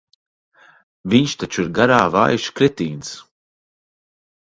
Viņš taču ir garā vājš kretīns.